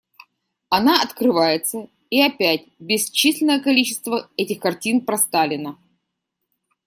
Она открывается и опять бесчисленное количество этих картин про Сталина.